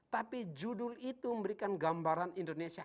tapi judul itu memberikan gambaran indonesia